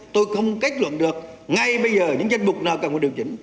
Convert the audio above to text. tôi không kết luận được ngay bây giờ những danh mục nào cần phải điều chỉnh